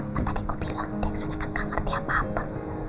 kan tadi gue bilang dia sudah kan gak ngerti apa apa